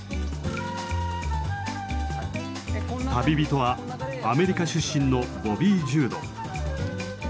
旅人はアメリカ出身のボビー・ジュード。